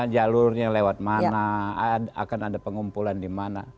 jalurnya lewat mana akan ada pengumpulan di mana